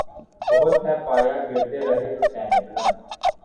بہت ہے پایۂ گردِ رہِ حسین بلند